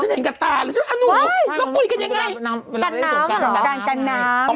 ฉันเห็นกับตาเลยฉันว่าอ้าวลอกบ่อยกันยังไงน้ำเวลาได้ดู